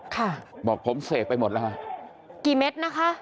ค่ะบอกผมเสกไปหมดแล้วค่ะกี่เม็ดนะคะ